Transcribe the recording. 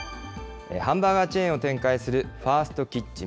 ハンバーガーチェーンを展開するファーストキッチン。